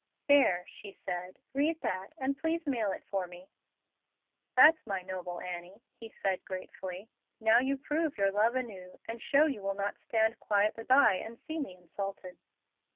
"There," she said, "read that, and please mail it for me." "That's my noble Annie," he said, gratefully. "Now you prove your love anew, and show you will not stand quietly by and see me insulted."